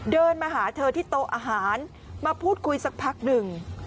เดินมาหาเธอที่โต๊ะอาหารมาพูดคุยสักพักหนึ่ง